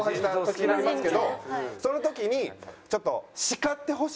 その時にちょっと。